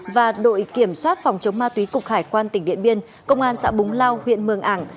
và đội kiểm soát phòng chống ma túy cục hải quan tỉnh điện biên công an xã búng lao huyện mường ảng